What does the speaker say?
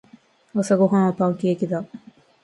朝ごはんはパンケーキだ。